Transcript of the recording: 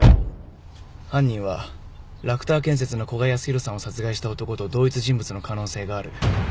犯人はラクター建設の古賀康弘さんを殺害した男と同一人物の可能性がある。